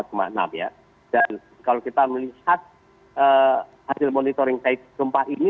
dan kalau kita melihat hasil monitoring sibut ini